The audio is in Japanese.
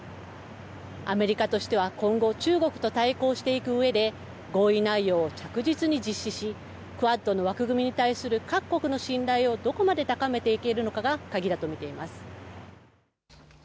アメリカとしては今後中国と対抗していくうえで合意内容を確実に実施し、クアッドの枠組みに対する各国の信頼をどこまで高めていけるのかが鍵だと見ています。